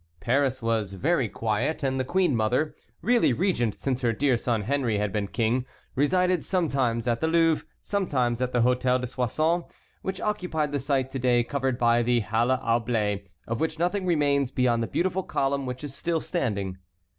Paris was very quiet and the queen mother, really regent since her dear son Henry had been King, resided sometimes at the Louvre, sometimes at the Hôtel de Soissons, which occupied the site to day covered by the Halle au Blé, of which nothing remains beyond the beautiful column which is still standing.